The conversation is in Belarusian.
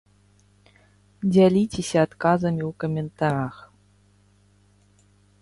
Дзяліцеся адказамі ў каментарах!